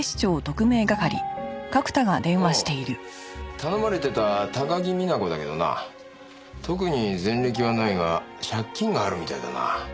おお頼まれてた高木美奈子だけどな特に前歴はないが借金があるみたいだな。